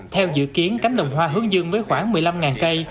theo dự kiến cánh đồng hoa hướng dương với khoảng một mươi năm cây